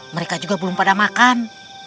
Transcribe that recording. mereka juga belum pada makan